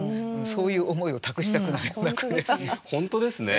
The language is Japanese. そういう思いを託したくなるような句ですね。